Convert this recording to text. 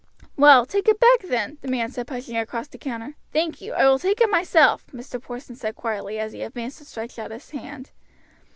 "Well, take it back then," the man said, pushing it across the counter. "Thank you, I will take it myself," Mr. Porson said quietly, as he advanced and stretched out his hand.